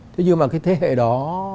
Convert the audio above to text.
thế nhưng mà cái thế hệ đó